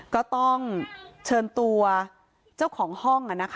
ก็ต้องเชิญตัวเจ้าของห้อง